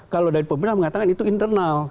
kalau dari pemerintah mengatakan itu internal